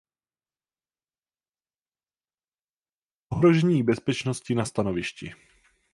Ohrožení bezpečnosti na stanovišti.